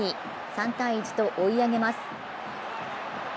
３−１と追い上げます。